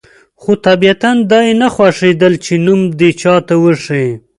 خو طبیعتاً یې دا نه خوښېدل چې نوم دې چاته وښيي.